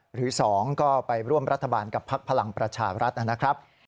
หรือ๒ก็ไปร่วมรัฐบาลกับพักพลังประชารัฐนะครับ